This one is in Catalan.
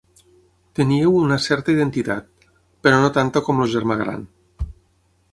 Teníeu una certa identitat, però no tanta com el germà gran.